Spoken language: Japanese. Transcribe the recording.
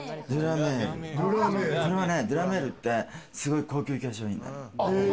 ドゥ・ラ・メールって、すごい高級化粧品なの。